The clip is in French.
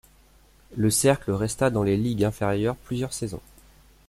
Le cercle resta dans les ligues inférieures plusieurs saisons.